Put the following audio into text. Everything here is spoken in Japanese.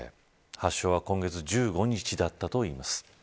発症は今月１５日だったといいます。